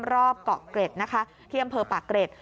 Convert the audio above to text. รอบเกาะเกร็ดนะคะที่อำเภอปากเกร็ด